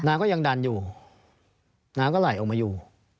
น้ำก็ยังดันอยู่น้ำก็ไหลออกมาอยู่